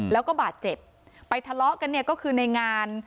แล้วก็บาดเจ็บไปทะเลาะกันเนี่ยก็คือในงาน